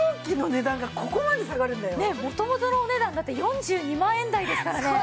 元々のお値段だって４２万円台ですからね。